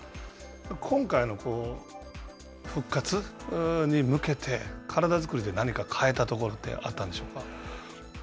今回の復活に向けて体作りで何か変えたところってあったんでしょうか？